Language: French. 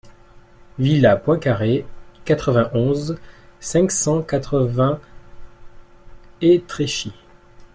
Villa Poincaré, quatre-vingt-onze, cinq cent quatre-vingts Étréchy